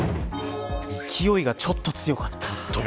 勢いがちょっと強かった。